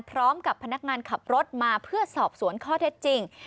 พร้อมกับพนักงานขับรถมาเพื่อสอบสวนข้อเท็จจริง